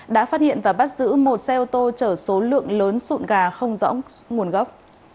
đã phát hiện và bắt giữ một xe ô tô chở số lượng lớn sụn gà không rõ nguồn gốc